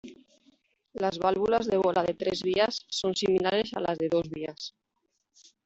Las válvulas de bola de tres vías son similares a las de dos vías.